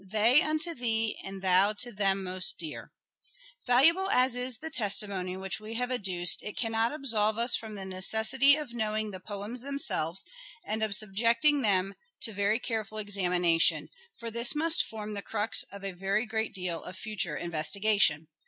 They unto thee, and thou to them most dear." Dr. Grosart's Valuable as is the testimony which we have adduced collection. it cannot absolve us from tne necessity of knowing the poems themselves and of subjecting them to a very •The Muse«. EDWARD DE VERE AS LYRIC POET 155 careful examination, for this must form the crux of a very great deal of future investigation.